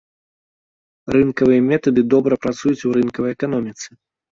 Рынкавыя метады добра працуюць у рынкавай эканоміцы.